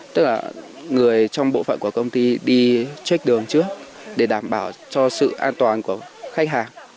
tức là người trong bộ phận của công ty đi trên đường trước để đảm bảo cho sự an toàn của khách hàng